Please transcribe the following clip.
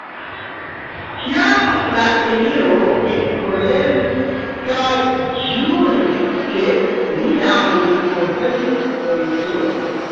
Tiam la emiro ekkoleris kaj ĵuris, ke neniam li konsentos en tio.